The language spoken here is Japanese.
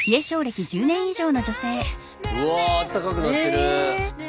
うわあったかくなってる！